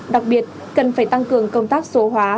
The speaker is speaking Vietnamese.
đặc biệt cần phải tăng cường công tác số hóa